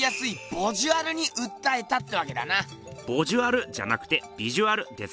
ボジュアルじゃなくてビジュアルですけどね。